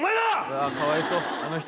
うわかわいそうあの人